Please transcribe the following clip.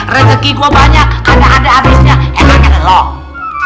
rezeki gua banyak kanda ada abisnya enaknya nge lock